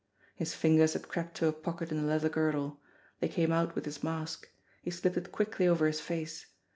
His fingers had crept to a pocket in the leather girdle. They came out with his mask. He slipped it quickly over his face.